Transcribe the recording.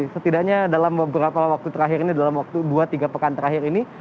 setidaknya dalam beberapa waktu terakhir ini dalam waktu dua tiga pekan terakhir ini